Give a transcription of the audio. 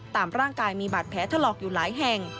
ตามร่างกายมีบาดแผลถลอกอยู่หลายแห่ง